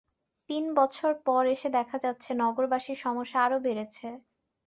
তিন বছর পর এসে দেখা যাচ্ছে নগরবাসীর সমস্যা আরও বেড়েছে।